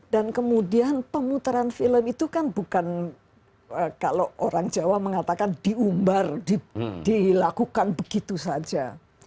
dan kemudian pemutaran film itu kan bukan kalau orang jawa mengatakan diumbar dilakukan begitu saja